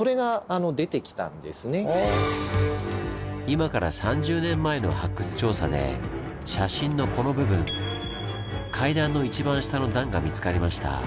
今から３０年前の発掘調査で写真のこの部分階段の一番下の段が見つかりました。